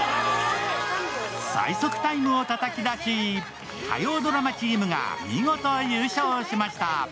最速タイムをたたき出し、火曜ドラマチームが見事優勝しました。